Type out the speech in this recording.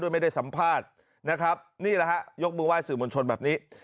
ไม่ได้สัมภาษณ์นะครับนี่แหละฮะยกมือไห้สื่อมวลชนแบบนี้